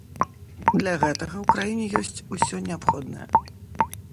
Для гэтага ў краіне ёсць усе неабходнае.